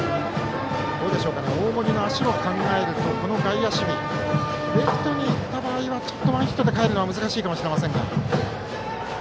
大森の足を考えるとこの外野守備レフトに行った場合はワンヒットでかえるのは難しいかもしれません。